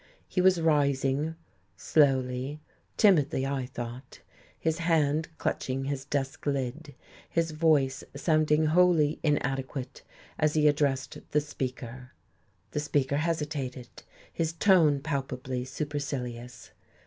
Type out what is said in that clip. He was rising, slowly, timidly, I thought, his hand clutching his desk lid, his voice sounding wholly inadequate as he addressed the Speaker. The Speaker hesitated, his tone palpably supercilious.